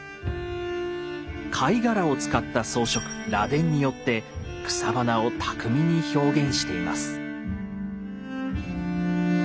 貝殻を使った装飾「螺鈿」によって草花を巧みに表現しています。